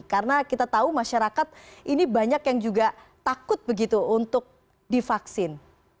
karena kita tahu masyarakat ini banyak yang juga takut begitu untuk divaksin